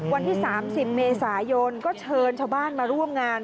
วันที่๓๐เมษายนก็เชิญชาวบ้านมาร่วมงาน